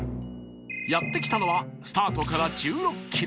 やって来たのはスタートから１６キロ